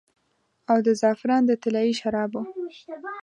او د زعفران د طلايي شرابو